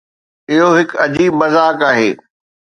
اهو هڪ عجيب مذاق آهي.